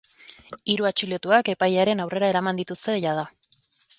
Hiru atxilotuak epailearen aurrera eraman dituzte jada.